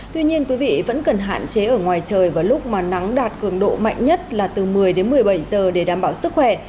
tuy nhiên quý vị vẫn cần hạn chế ở ngoài trời vào lúc mà nắng đạt cường độ mạnh nhất là từ một mươi đến một mươi bảy giờ để đảm bảo sức khỏe